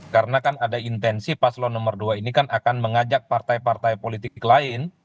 karena kan ada intensi pas lo nomor dua ini kan akan mengajak partai partai politik lain